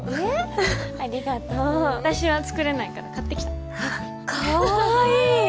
ううんありがとう私は作れないから買ってきたかわいい！